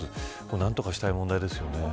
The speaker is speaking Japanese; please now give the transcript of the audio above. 何とかしたい問題ですね。